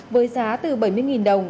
với giá từ bảy mươi đồng